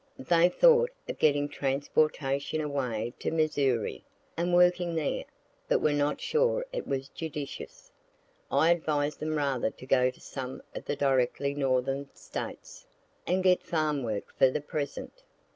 They thought of getting transportation away to Missouri, and working there; but were not sure it was judicious. I advised them rather to go to some of the directly northern States, and get farm work for the present.